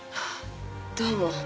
どうも。